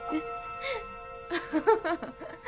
アハハハ。